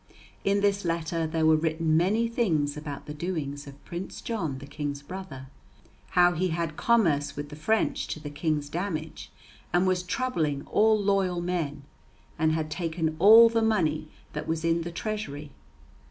In this letter there were written many things about the doings of Prince John the King's brother: how he had commerce with the French to the King's damage, and was troubling all loyal men, and had taken all the money that was in the treasury.